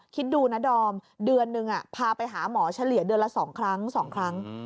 คิดดูนะดอมเดือนนึงพาไปหาหมอเฉลี่ยเดือนละ๒ครั้ง๒ครั้ง